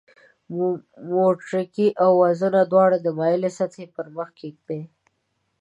موټرګی او وزنه دواړه د مایلې سطحې پر مخ کیږدئ.